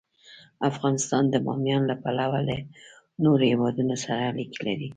افغانستان د بامیان له پلوه له نورو هېوادونو سره اړیکې لري.